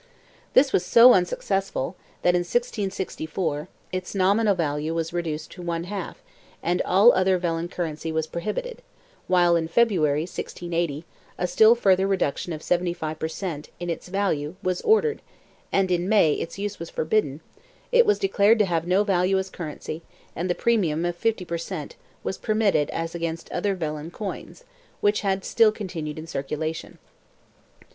This was so unsuccessful that, in 1664, its nominal value was reduced one half and all other vellon currency was prohibited, while in February, 1680, a still further reduction of 75 per cent, in its value was ordered and in May its use was forbidden, it was declared to have no value as currency, and the premium of 50 per cent, was permitted as against other vellon coins, which had still continued in circulation.